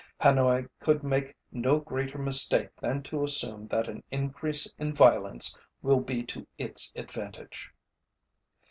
Hanoi could make no greater mistake than to assume that an increase in violence will be to its advantage.